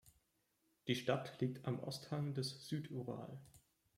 Die Stadt liegt am Osthang des Südural.